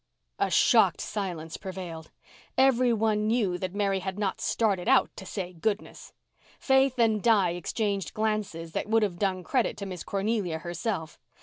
A shocked silence prevailed. Every one knew that Mary had not started out to say "goodness." Faith and Di exchanged glances that would have done credit to Miss Cornelia herself.